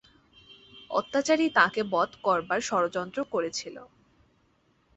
অত্যাচারী তাঁকে বধ করবার ষড়যন্ত্র করেছিল।